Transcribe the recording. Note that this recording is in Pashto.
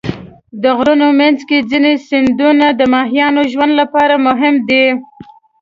د غرونو منځ کې ځینې سیندونه د ماهیانو ژوند لپاره مهم دي.